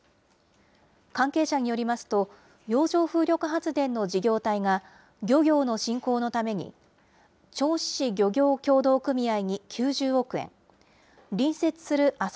関係者によりますと、洋上風力発電の事業体が、漁業の振興のために、銚子市漁業協同組合に９０億円、隣接する旭